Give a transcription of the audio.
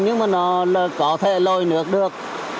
nó có thể lôi nước được